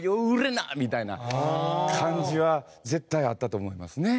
みたいな感じは絶対あったと思いますね。